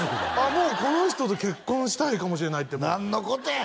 もうこの人と結婚したいかもしれないって何のことや！